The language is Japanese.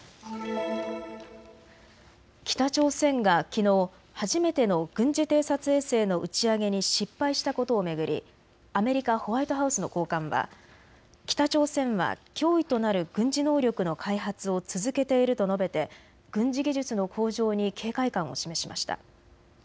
北朝鮮がきのう初めての軍事偵察衛星の打ち上げに失敗したことを巡りアメリカ・ホワイトハウスの高官は北朝鮮は脅威となる軍事能力の開発を続けていると述べて軍事技術の向上に警戒感を示しました。